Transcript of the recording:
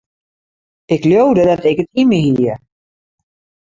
Ik leaude dat ik it yn my hie.